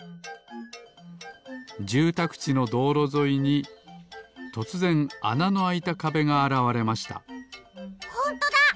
じゅうたくちのどうろぞいにとつぜんあなのあいたかべがあらわれましたほんとだ！